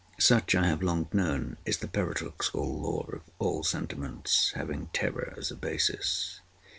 Such, I have long known, is the paradoxical law of all sentiments having terror as a basis.